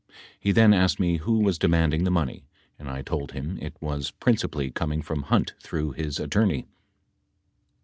He then asked me who was demanding the money and I told him it was principally coming from Hunt through his attorney